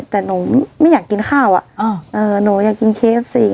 แต่หนูไม่อยากกินข้าวหนูอยากกินเชฟเอฟซี